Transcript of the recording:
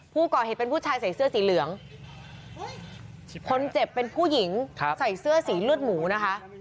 ผู้ก่อเหตุเป็นผู้ชายใส่เสื้อสีเหลืองคนเจ็บเป็นผู้หญิงใส่เสื้อสีเลือดหมูนะคะ